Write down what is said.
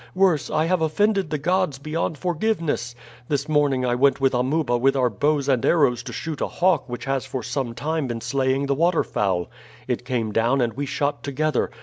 Worse, I have offended the gods beyond forgiveness! This morning I went with Amuba with our bows and arrows to shoot a hawk which has for some time been slaying the waterfowl. It came down and we shot together.